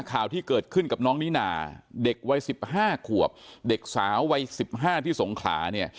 ข่าวที่เกิดขึ้นกับน้องนิน่าเด็กวัย๑๕ขวบเด็กสาววัย๑๕ที่สงขลาเนี่ย